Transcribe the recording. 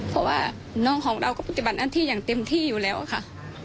เพราะว่าน้องของเราก็ปฏิบัติหน้าที่อย่างเต็มที่อยู่แล้วค่ะ